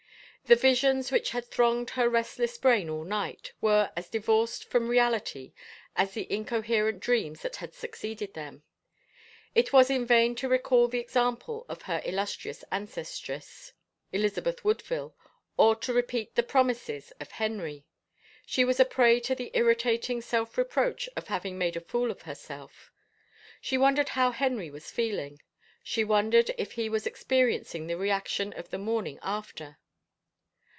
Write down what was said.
The visions which had thronged her restless brain all night were as divorced from reality as the incoherent dreams that had succeeded them. It was in vain to recall the example of her illustrious ances tress, Elizabeth Woodville, or to repeat the promises of Henry. She was a prey to the irritating self reproach of having made a fool of herself. She wondered how Henry was feeling. She wondered if he was experiencing the reaction of the morning after.